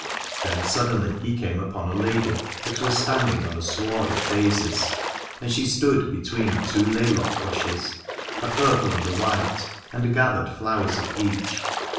Then suddenly he came upon a lady that was standing on a sward of daisies, and she stood between two laylock bushes, a purple and a white, and gathered flowers of each.